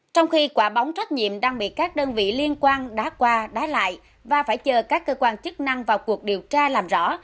trong khi quả bóng trách nhiệm đang bị các đơn vị liên quan đá qua đá lại và phải chờ các cơ quan chức năng vào cuộc điều tra làm rõ